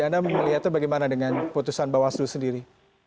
anda melihatnya bagaimana dengan keputusan bawaslus sendiri